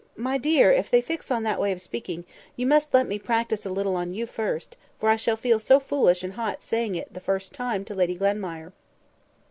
My dear, if they fix on that way of speaking, you must just let me practice a little on you first, for I shall feel so foolish and hot saying it the first time to Lady Glenmire."